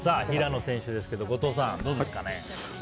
平野選手ですけど後藤さん、どうですかね。